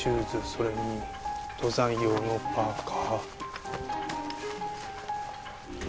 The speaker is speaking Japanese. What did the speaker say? それに登山用のパーカ。